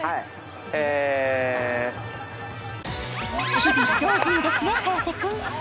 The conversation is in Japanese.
日々精進ですよ、颯君。